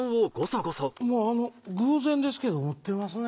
まぁあの偶然ですけど持ってますね。